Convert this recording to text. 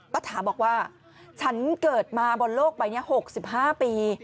ป้าถาบอกว่าฉันเกิดมาบนโลกใบนี้๖๕ปี